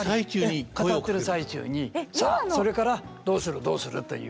語ってる最中に「それからどうするどうする」という。